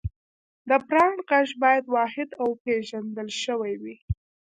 د برانډ غږ باید واحد او پېژندل شوی وي.